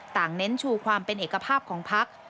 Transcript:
ต่างเน้นชูความเป็นเอกภาพของภรรรยากาศ